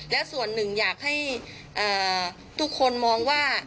และส่วนหนึ่งอยากให้ทุกคนมองว่า